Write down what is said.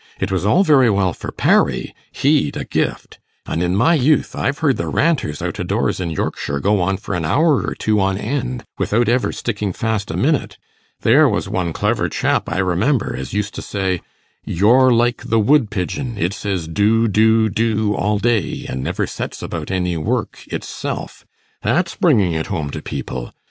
It was all very well for Parry he'd a gift; and in my youth I've heard the Ranters out o' doors in Yorkshire go on for an hour or two on end, without ever sticking fast a minute. There was one clever chap, I remember, as used to say, "You're like the woodpigeon; it says do, do, do all day, and never sets about any work itself." That's bringing it home to people.